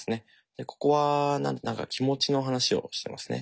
でここは何か気持ちの話をしてますね。